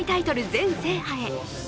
全制覇へ。